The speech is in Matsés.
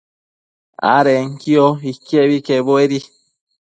adenquio iquebi quebuedi